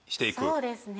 そうですね。